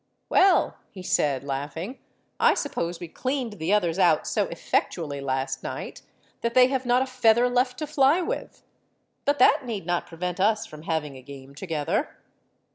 'Well,' he said, laughing, 'I suppose we cleaned the others out so effectually last night, that they have not a feather left to fly with. But that need not prevent us from having a game together.'